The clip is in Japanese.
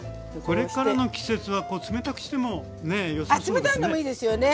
これからの季節は冷たくしてもねよさそうですね。